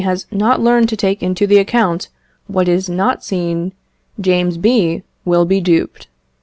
has not learned to take into the account what is not seen, James B. will be duped.